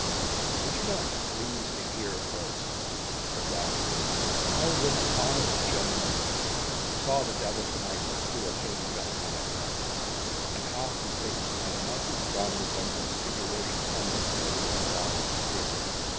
"Would you not be pleased to hear first," said Wildrake, "how this honest gentleman saw the devil to night look through a pane of yonder window, and how he thinks he had a mighty strong resemblance to your worship's humble slave and varlet scribbler?